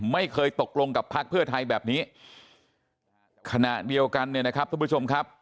ไม่เคยตกลงกับพักเพื่อไทยแบบนี้ขณะเดียวกันเนี่ยนะครับทุกผู้ชมครับ